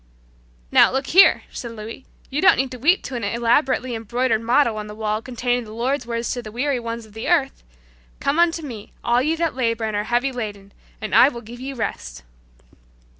"Now, look here," he continued, "you don't need to weep to an elaborately embroidered motto on the wall containing the Lord's words to the weary ones of earth. 'Come unto Me, all ye that labor and are heavy laden, and I will give you rest.'"